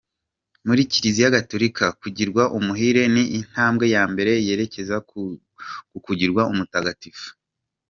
Muri Kiliziya Gatolika, kugirwa umuhire ni intambwe ya mbere yerekeza ku kugirwa umutagatifu.